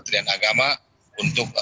dan agama untuk